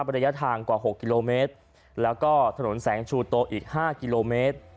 ระยะทางกว่า๖กิโลเมตรแล้วก็ถนนแสงชูโตอีก๕กิโลเมตร